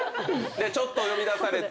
ちょっと呼び出されて。